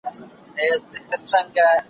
ما ول راسه ؟ ول نيخه